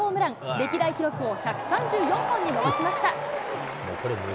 歴代記録を１３４本に伸ばしました。